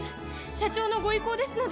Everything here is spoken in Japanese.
社長のご意向ですので。